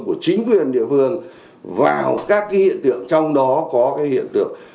của chính quyền địa phương vào các cái hiện tượng trong đó có cái hiện tượng